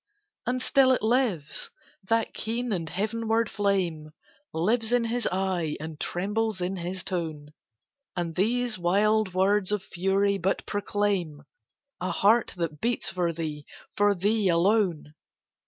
And still it lives, that keen and heavenward flame, Lives in his eye, and trembles in his tone: And these wild words of fury but proclaim A heart that beats for thee, for thee alone!